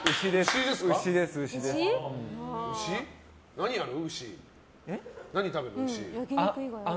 何ある？